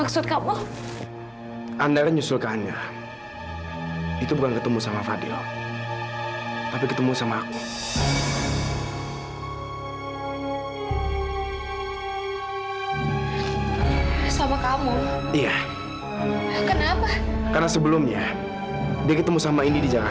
sekarang kamu coba tatap mata aku mila